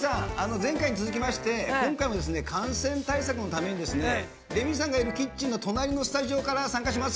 前回に続きまして今回も感染対策のためにレミさんがいるキッチンの隣のスタジオから参加します！